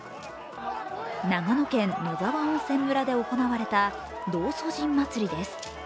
長野県野沢温泉村で行われた道祖神祭りです。